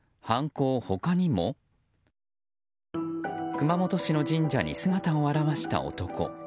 熊本市の神社に姿を現した男。